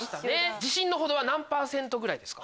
自信の程は何％ぐらいですか？